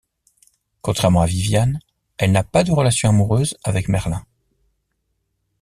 Contrairement à Viviane, elle n'a pas de relation amoureuse avec Merlin.